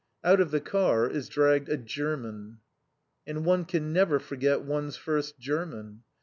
Out of the car is dragged a German. And one can never forget one's first German.